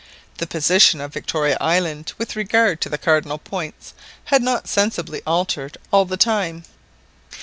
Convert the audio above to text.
The position of Victoria Island with regard to the cardinal points had not sensibly altered all the time.